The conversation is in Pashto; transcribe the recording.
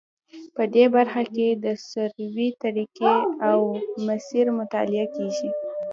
په دې برخه کې د سروې طریقې او مسیر مطالعه کیږي